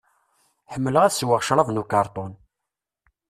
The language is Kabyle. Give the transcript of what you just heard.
Ḥemmleɣ ad sweɣ crab n ukarṭun.